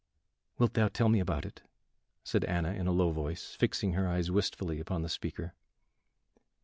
"Wilt thou tell me about it?" said Anna, in a low voice, fixing her eyes wistfully upon the speaker.